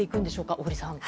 小栗さん。